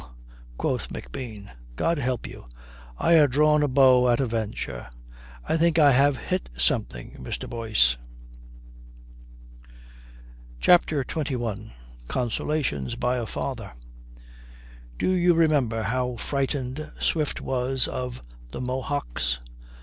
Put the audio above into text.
quoth McBean. "God help you. I ha' drawn a bow at a venture. I think I have hit something, Mr. Boyce." CHAPTER XXI CONSOLATIONS BY A FATHER Do you remember how frightened Swift was of the Mohocks?